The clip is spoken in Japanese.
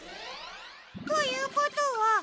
ということは。